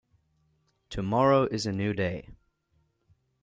Tomorrow is a new day.